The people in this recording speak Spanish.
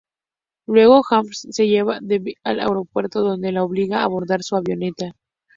Luego, Hansen lleva a Debbie al aeropuerto donde la obliga a abordar su avioneta.